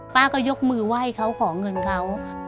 ป้าก็ยกมือไหว้เขาขอเงินเขา